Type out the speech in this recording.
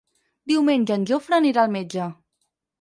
Diumenge en Jofre anirà al metge.